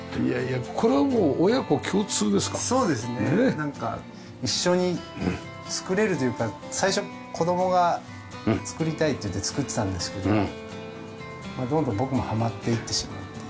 なんか一緒に作れるというか最初子供が作りたいって言って作ってたんですけどもどんどん僕もハマっていってしまって。